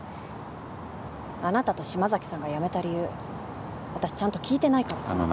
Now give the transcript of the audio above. あなたと島崎さんが辞めた理由私ちゃんと聞いてないからさ。